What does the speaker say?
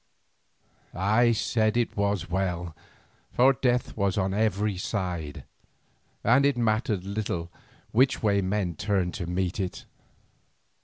I said that it was well, for death was on every side, and it mattered little which way men turned to meet it.